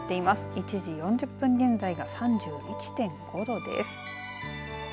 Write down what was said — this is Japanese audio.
１時４０分現在が３１．５度です。